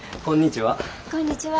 こんにちは。